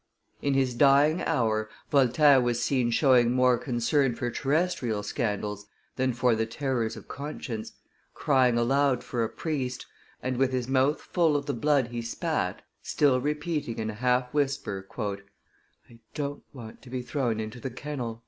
In his dying hour Voltaire was seen showing more concern for terrestrial scandals than for the terrors of conscience, crying aloud for a priest, and, with his mouth full of the blood he spat, still repeating in a half whisper, "I don't want to be thrown into the kennel."